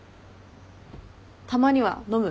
たまには飲む？